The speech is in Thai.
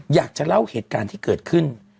อยากจะเล่าเหตุการณ์ที่เกิดขึ้น